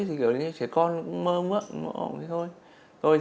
trẻ con mơ mơ